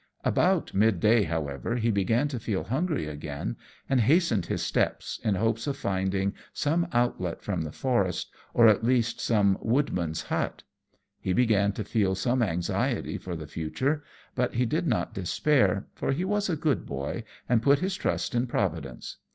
About mid day, however, he began to feel hungry again, and hastened his steps, in hopes of finding some outlet from the forest, or at least some woodman's hut. He began to feel some anxiety for the future; but he did not despair, for he was a good boy, and put his trust in Providence.